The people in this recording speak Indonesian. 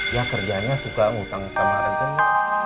ya kerjanya suka ngutang sama renten